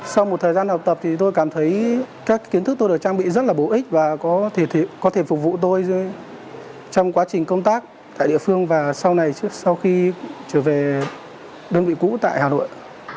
sau một thời gian học tập thì tôi cảm thấy các kiến thức tôi được trang bị rất là bổ ích và có thể phục vụ tôi trong quá trình công tác tại địa phương và sau này sau khi trở về đơn vị cũ tại hà nội